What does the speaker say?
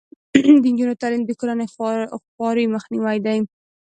د نجونو تعلیم د کورنۍ خوارۍ مخنیوی دی.